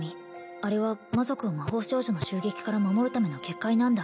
あれは魔族を魔法少女の襲撃から守るための結界なんだ